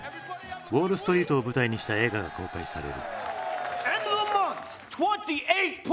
ウォールストリートを舞台にした映画が公開される。